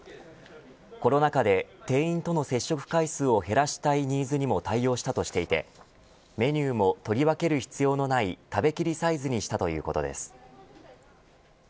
コロナ禍で店員との接触回数を減らしたいニーズにも対応したとしていてメニューも取り分ける必要のない食べ切りサイズにしたということです。